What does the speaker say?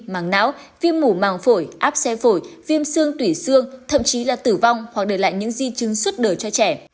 màng não viêm mủ màng phổi áp xe phổi viêm xương tủy xương thậm chí là tử vong hoặc để lại những di chứng suốt đời cho trẻ